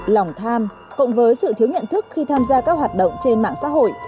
lòng tham cộng với sự thiếu nhận thức khi tham gia các hoạt động trên mạng xã hội